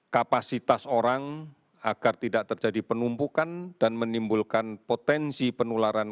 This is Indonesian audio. kapasitas orang agar tidak terjadi penumpukan dan menimbulkan potensi penularan